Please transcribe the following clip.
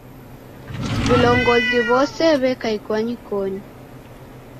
Vilongozi w'ose w'eka ikwanyikonyi